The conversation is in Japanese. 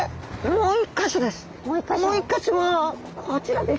もう一か所はこちらです。